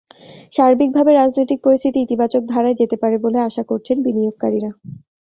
সার্বিকভাবে রাজনৈতিক পরিস্থিতি ইতিবাচক ধারায় যেতে পারে বলে আশা করছেন বিনিয়োগকারীরা।